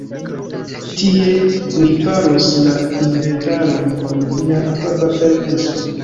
Tie, ni faros la inventaron, kun via afabla permeso.